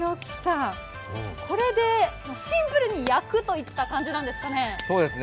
これでシンプルに焼くといった感じなんですかね。